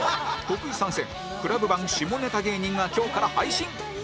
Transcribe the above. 徳井参戦 ＣＬＵＢ 版下ネタ芸人が今日から配信